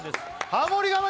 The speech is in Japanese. ハモリ我慢